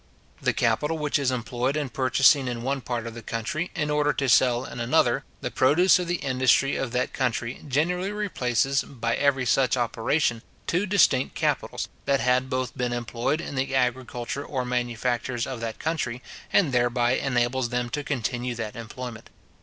The capital which is employed in purchasing in one part of the country, in order to sell in another, the produce of the industry of that country, generally replaces, by every such operation, two distinct capitals, that had both been employed in the agriculture or manufactures of that country, and thereby enables them to continue that employment.